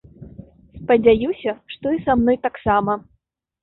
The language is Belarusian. Спадзяюся, што і са мной таксама.